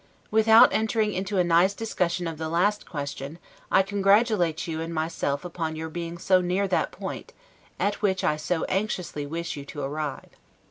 Without entering into a nice discussion of the last question, I congratulate you and myself upon your being so near that point at which I so anxiously wish you to arrive.